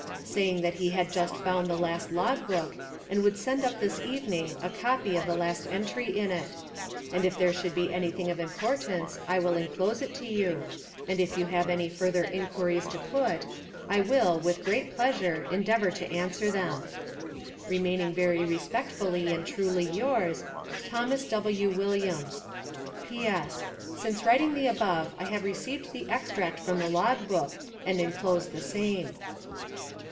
saying that he had just found the last log book, and would send up this evening a copy of the last entry on it; and if there should be anything of importance I will enclose it to you, and if you have any further inquiries to put, I will, with great pleasure, endeavor to answer them. Remaining very respectfully and truly yours, THOMAS W. WILLIAMS. P. S. Since writing the above I have received the extract from the log book, and enclose the same.